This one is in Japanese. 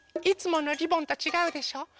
いつものリボンとちがうでしょ？